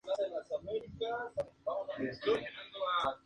Xu era un escritor y pensador y su trabajo se hizo en diferentes volúmenes.